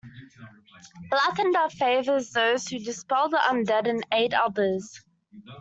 Lathander favours those who dispel the undead and aid others.